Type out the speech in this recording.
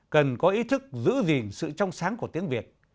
cần có ý thức giữ gìn sự trong sáng của tiếng việt